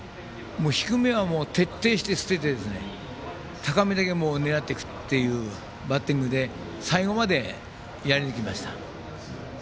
低めは徹底的に捨てて高めだけ狙っていくというバッティングで最後まで、やりぬきました。